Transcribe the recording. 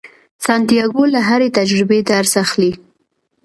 سانتیاګو له هرې تجربې درس اخلي.